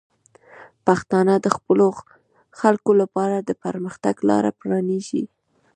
پښتانه د خپلو خلکو لپاره د پرمختګ لاره پرانیزي.